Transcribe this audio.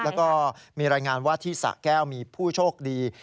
แล้วก็มีรายงานว่าที่สะแก้วมีผู้โชคดี